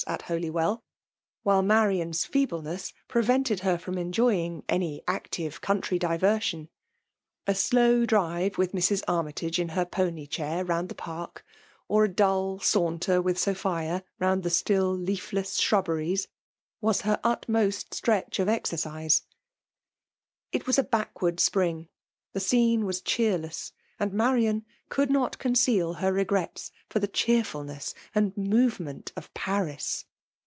at Hol^ well, while Marian's feebleness prevented her fiPMi 4ainjoying any active country diversion. A dow drive with Mrs. Armytage in her |ioiiy diair, round the park, or a dull saunter 258 FBMAIiB DOMIIIATIOK. wilih SopUa round ibe still leafless dmilh berie% was her Htmost stretch of exercise. It was a backward spring ; the scene waa cheerless; and Marian eoald not conceal her legrets for the eheerfiilness and movement tif Pans.